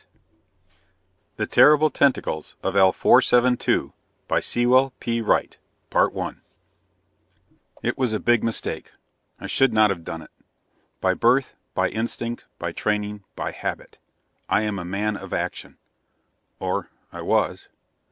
_] The Terrible Tentacles of L 472 By Sewell Peaslee Wright It was a big mistake. I should not have done it. By birth, by instinct, by training, by habit, I am a man of action. Or I was.